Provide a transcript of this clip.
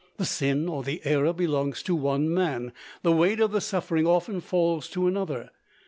The sin or the error belongs to one man; the weight of the suffering often falls to another.